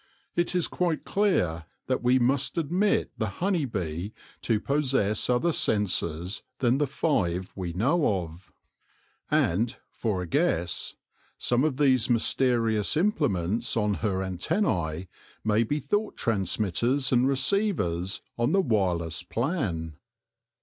It is quite clear that we must admit the honey bee to possess other senses than the five io8 THE LORE OF THE HONEY BEE we know of ; and — for a guess — some of these mysterious implements on her antennae may be thought transmitters and receivers on the wireless plan.